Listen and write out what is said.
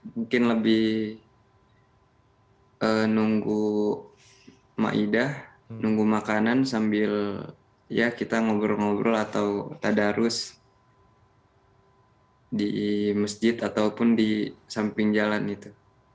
mungkin lebih nunggu maidah ⁇ nunggu makanan sambil ya kita ngobrol ngobrol atau tadarus di masjid ataupun di samping jalan itu